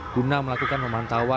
guna melakukan memantau